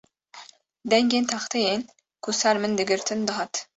Dengên texteyên ku ser min digirtin dihat